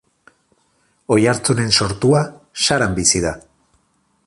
Oiartzunen sortua, Saran bizi da.